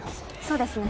そうですね